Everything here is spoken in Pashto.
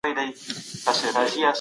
د هوا پاکوالی د هر چا اړتیا ده.